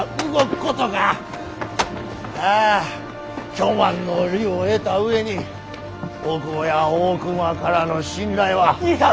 あ巨万の利を得た上に大久保や大隈からの信頼は。